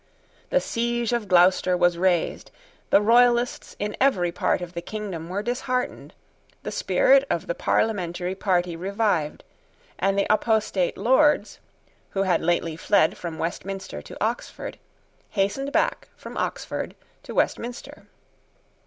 The siege of Gloucester was raised: the Royalists in every part of the kingdom were disheartened: the spirit of the parliamentary party revived: and the apostate Lords, who had lately fled from Westminster to Oxford, hastened back from Oxford to Westminster.